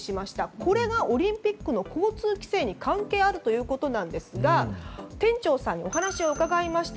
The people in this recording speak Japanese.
これがオリンピックの交通規制に関係があるということですが店長さんにお話を伺いました。